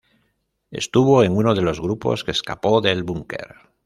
Estuvo en uno de los grupos que escapó del búnker.